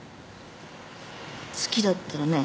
好きだったらね